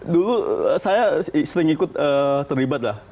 dulu saya sering ikut terlibat lah